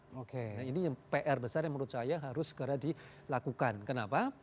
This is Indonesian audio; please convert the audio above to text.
oke ini pr besar yang menurut saya harus segera dilakukan kenapa